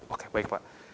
oke baik pak